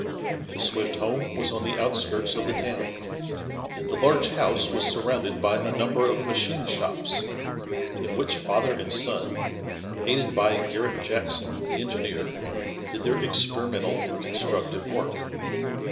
The Swift home was on the outskirts of the town, and the large house was surrounded by a number of machine shops, in which father and son, aided by Garret Jackson, the engineer, did their experimental and constructive work.